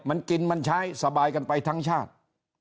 มันกินมันใช้สบายกันไปทั้งชาติ